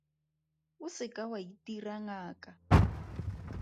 O se ka wa itira ngaka.